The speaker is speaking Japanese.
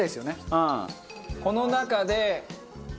この中で。